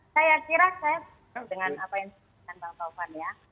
saya kira saya dengan apa yang disampaikan bang taufan ya